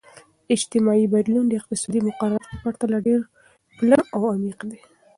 اجتماعي بدلون د اقتصادي مقرراتو په پرتله ډیر پلنو او عمیق دی.